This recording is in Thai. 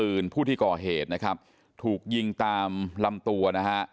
ผู้ที่ก่อเหตุนะครับถูกยิงตามลำตัวนะฮะ